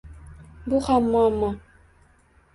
Bu ham muammo.